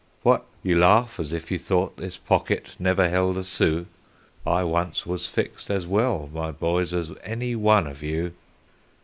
What? You laugh as if you thought this pocket never held a sou; I once was fixed as well, my boys, as any one of you.